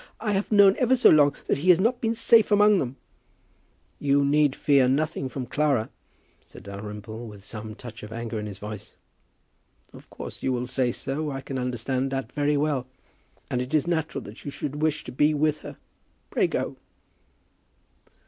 I have known ever so long that he has not been safe among them." "You need fear nothing from Clara," said Dalrymple, with some touch of anger in his voice. "Of course you will say so. I can understand that very well. And it is natural that you should wish to be with her. Pray go."